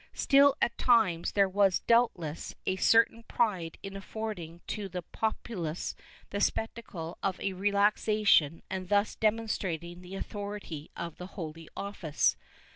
Still, at times, there was doubtless a certain pride in affording to the populace the spectacle of a relaxation and thus demonstrating the authority of the Holy Office.